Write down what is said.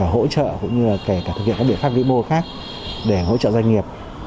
hỗ trợ cũng như là kể cả thực hiện các biện pháp vĩ mô khác để hỗ trợ doanh nghiệp